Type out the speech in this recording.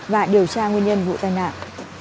và điều tra nguyên nhân vụ tay lạn